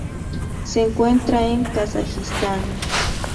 Se encuentra en Kazajistán.